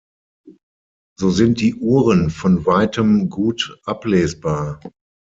So sind die Uhren von weitem gut ablesbar.